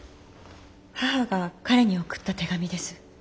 母が彼に送った手紙です。